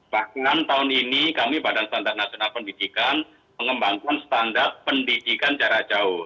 bahkan tahun ini kami badan standar nasional pendidikan mengembangkan standar pendidikan jarak jauh